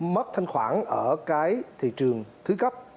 mất thanh khoản ở cái thị trường thứ cấp